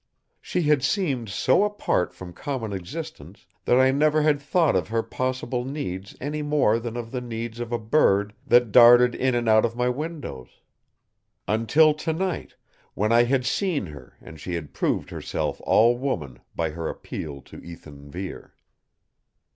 She had seemed so apart from common existence that I never had thought of her possible needs any more than of the needs of a bird that darted in and out of my windows. Until tonight, when I had seen her and she had proved herself all woman by her appeal to Ethan Vere.